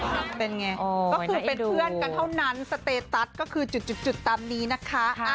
เป็นไงก็คือเป็นเพื่อนกันเท่านั้นสเตตัสก็คือจุดตามนี้นะคะ